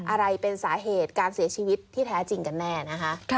อะไรเป็นสาเหตุการเสียชีวิตที่แท้จริงกันแน่นะคะ